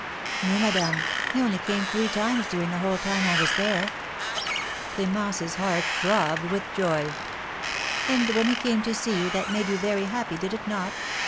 "No, madame, he only came three times during the whole time I was there." Clémence's heart throbbed with joy. "And when he came to see you that made you very happy, did it not?"